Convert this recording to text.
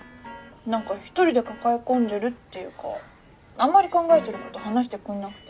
何か１人で抱え込んでるっていうかあんまり考えてること話してくんなくて。